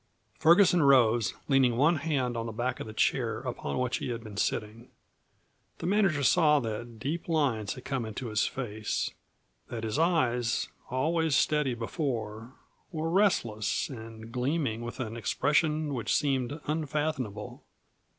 Ferguson rose, leaning one hand on the back of the chair upon which he had been sitting. The manager saw that deep lines had come into his face; that his eyes always steady before were restless and gleaming with an expression which seemed unfathomable.